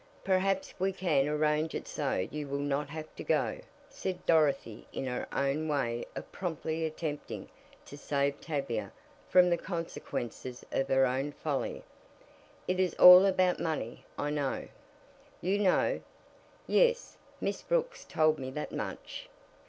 "Perhaps we can arrange it so you will not have to go," said Dorothy in her own way of promptly attempting to save Tavia from the consequences of her own folly. "It is all about money, I know." "You know?" "Yes; Miss Brooks told me that much."